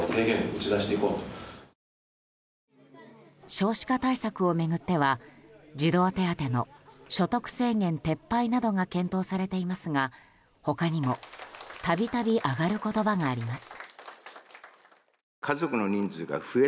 少子化対策を巡っては児童手当の所得制限撤廃などが検討されていますが他にも度々挙がる言葉があります。